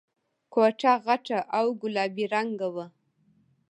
کوټه غټه او گلابي رنګه وه.